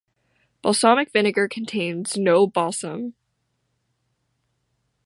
Balsamic vinegar contains no balsam.